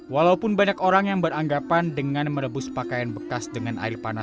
walaupun banyak orang yang beranggapan dengan merebus pakaian bekas dengan air panas